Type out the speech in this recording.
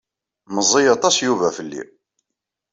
Meẓẓi aṭas Yuba fell-i.